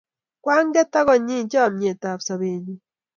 Kwang'et akonyi chomye ap sobennyu